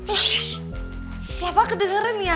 ih ya pak kedengeran ya